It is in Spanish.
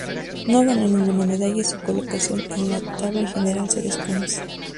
No ganó ninguna medalla, y su colocación en la table general se desconoce.